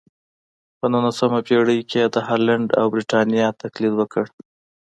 په نولسمه پېړۍ کې یې د هالنډ او برېټانیا تقلید وکړ.